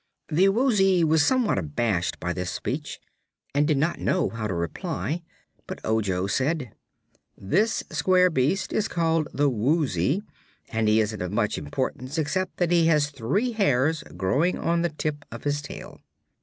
The Woozy was somewhat abashed by this speech and did not know how to reply. But Ojo said: "This square beast is called the Woozy, and he isn't of much importance except that he has three hairs growing on the tip of his tail."